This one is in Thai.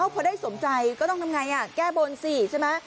พอได้สมใจก็ต้องทำไงแก้บนสิใช่ไหม